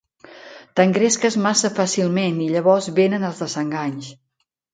T'engresques massa fàcilment, i llavors venen els desenganys.